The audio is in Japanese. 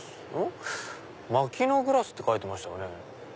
マキノグラスって書いてましたよね。